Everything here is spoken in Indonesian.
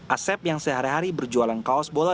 asep yang sehari hari berjualan kaos bola